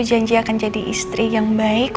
janji akan jadi istri yang baik